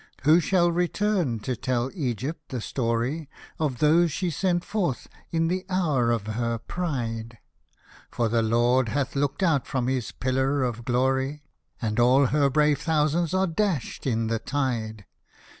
— Who shall return to tell Egypt the story Of those she sent forth in the hour of her pride ? Hosted by Google 56 SACRED SONGS For the Lord hath looked out from his pillar of glory, And all her brave thousands are dashed in the tide.